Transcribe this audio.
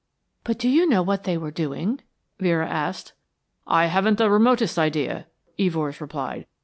"But do you know what they were doing?" Vera asked. "I haven't the remotest idea," Evors replied.